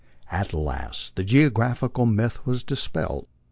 At last the geographical myth was dispelled.